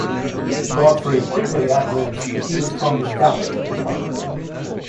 Godfrey quickly ad-libs that he was Tommy's valet at Harvard.